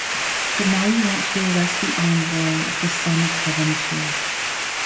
But now you want to arrest the envoy of the Son of Heaven too.